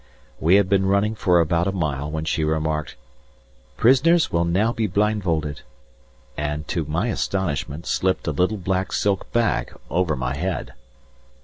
We had been running for about a mile when she remarked, "Prisoners will now be blindfolded!" and, to my astonishment, slipped a little black silk bag over my head.